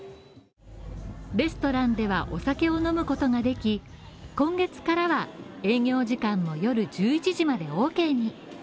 レストランでは、お酒を飲むことができ、今月からは営業時間も夜１１時までＯＫに。